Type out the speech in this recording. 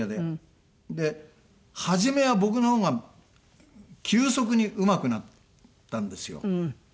初めは僕の方が急速にうまくなったんですよ。